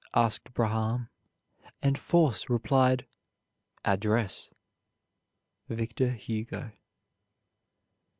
asked Braham; and Force replied "Address." VICTOR HUGO.